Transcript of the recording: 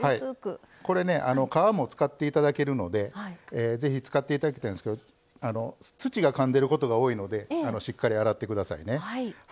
これね皮も使っていただけるのでぜひ使っていただきたいんですけど土がかんでることが多いのでしっかり洗ってくださいね。